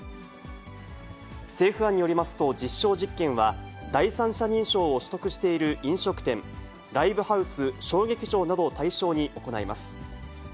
政府案によりますと、実証実験は、第三者認証を取得している飲食店、ライブハウス、小劇場などを対象に行います。